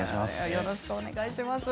よろしくお願いします。